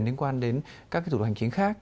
liên quan đến các thủ tục hành chính khác